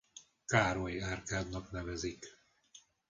Károly-árkádnak nevezik.